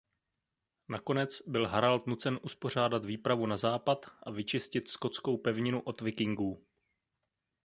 Nakonec byl Harald nucen uspořádat výpravu na západ a vyčistit skotskou pevninu od vikingů.